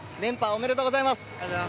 ありがとうございます。